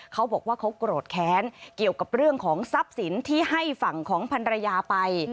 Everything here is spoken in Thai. เขาบอกว่าเขาโกรธแค้นเกี่ยวกับเรื่องของทรัพย์สินที่ให้ฝั่งของพันรยาไป